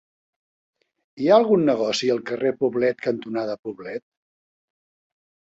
Hi ha algun negoci al carrer Poblet cantonada Poblet?